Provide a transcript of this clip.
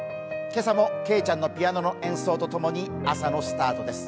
今朝もけいちゃんのピアノの演奏と共に朝のスタートです。